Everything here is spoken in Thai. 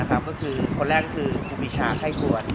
คนแรกคือภูบิชาไข้ถวล